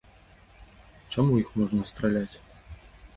Чаму іх можна страляць?